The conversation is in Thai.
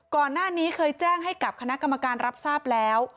ก่อนหน้านี้เคยแจ้งให้กับคณะกรรมการรับทราบแล้ว